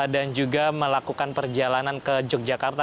dan juga melakukan perjalanan ke yogyakarta